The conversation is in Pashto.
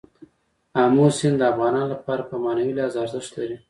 آمو سیند د افغانانو لپاره په معنوي لحاظ ارزښت لري.